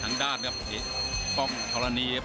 ข้างด้านครับต้องตลานนี้